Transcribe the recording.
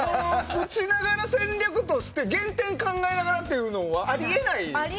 打ちながら戦略として減点を考えながらというのはあり得ないわけですよね。